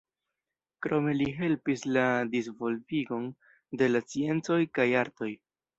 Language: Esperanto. Krome li helpis la disvolvigon de la sciencoj kaj artoj.